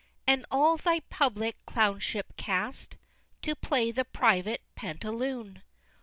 And all thy public Clownship cast, To play the private Pantaloon?